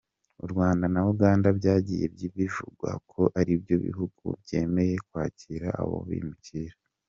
U Rwanda na Uganda byagiye bivugwa ko aribyo bihugu byemeye kwakira abo bimukira.